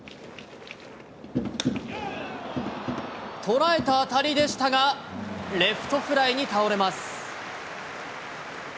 捉えた当たりでしたが、レフトフライに倒れます。